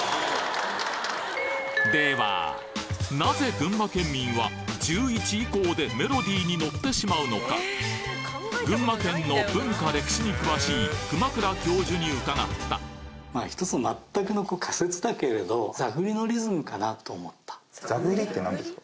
なぜ群馬県民は１１以降でメロディーにノってしまうのか群馬県の文化・歴史に詳しい熊倉教授に伺った座繰りって何ですか？